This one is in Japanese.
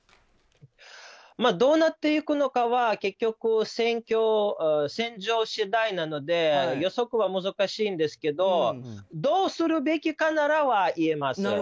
どうなっていくのかは結局、戦況、戦場次第なので予測は難しいんですけどどうするべきかなら言えます。